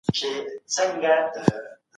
چارواکي به په ټولنه کي عدالت تامین کړي.